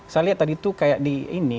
saya lihat tadi tuh kayak di ini